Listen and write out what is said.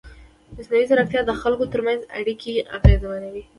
مصنوعي ځیرکتیا د خلکو ترمنځ اړیکې اغېزمنوي.